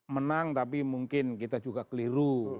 menang tapi mungkin kita juga keliru